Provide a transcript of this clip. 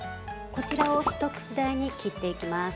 こちらを一口大に切っていきます。